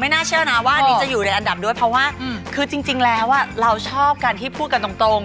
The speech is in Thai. ไม่น่าเชื่อนะว่าอันนี้จะอยู่ในอันดับด้วยเพราะว่าคือจริงแล้วเราชอบการที่พูดกันตรง